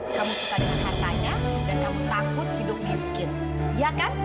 kamu suka dengan hartanya dan kamu takut hidup miskin iya kan